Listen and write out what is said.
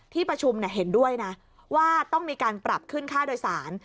ที่ประชุมเห็นด้วยนะว่าต้องมีการปรับขึ้นค่าโดยสาร